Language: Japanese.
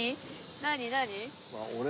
何何？